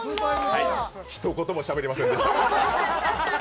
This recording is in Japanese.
はい、一言もしゃべりませんでした。